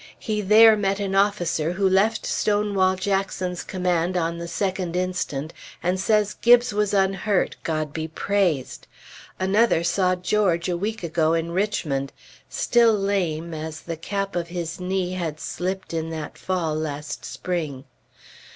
He there met an officer who left Stonewall Jackson's command on the 2d inst., and says Gibbes was unhurt, God be praised! Another saw George a week ago in Richmond, still lame, as the cap of his knee had slipped in that fall last spring.